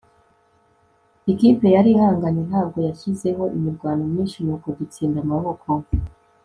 ikipe yari ihanganye ntabwo yashyizeho imirwano myinshi, nuko dutsinda amaboko